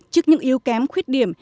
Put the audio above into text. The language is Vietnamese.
trước những yếu kém khuyết điểm